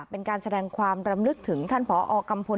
เป็นการแสดงความรำลึกถึงท่านพอกัมพล